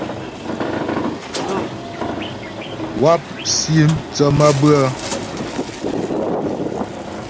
Wáp si mthə́ mabʉə́ə.